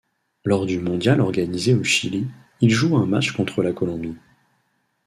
Lors du mondial organisé au Chili, il joue un match contre la Colombie.